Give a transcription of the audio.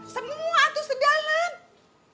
semua tuh sedalam